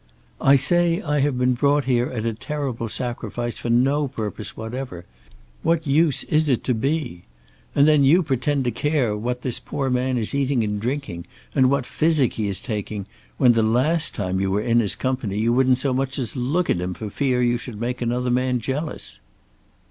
"I say I have been brought here at a terrible sacrifice for no purpose whatever. What use is it to be? And then you pretend to care what this poor man is eating and drinking and what physic he is taking when, the last time you were in his company, you wouldn't so much as look at him for fear you should make another man jealous."